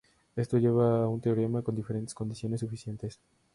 Esto lleva a un teorema con diferentes condiciones suficientes.